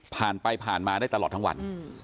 ผ่านไปผ่านมาได้ตลอดทั้งวัน